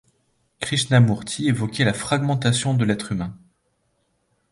Krishnamurti évoquait la fragmentation de l'être humain.